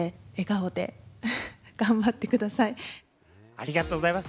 ありがとうございます。